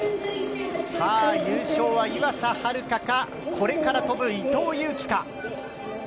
優勝は岩佐明香か、これから飛ぶ伊藤有希か。